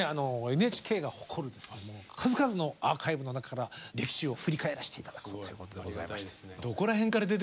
ＮＨＫが誇るですね数々のアーカイブの中から歴史を振り返らせて頂こうということでございまして。